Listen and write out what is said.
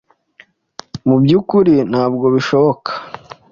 Mu by’ukuri ntabwo bishobka